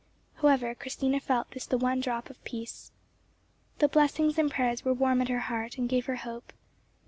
However, Christina felt this the one drop of peace. The blessings and prayers were warm at her heart, and gave her hope.